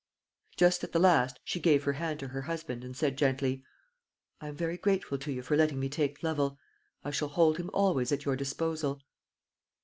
Just at the last she gave her hand to her husband, and said gently, "I am very grateful to you for letting me take Lovel. I shall hold him always at your disposal."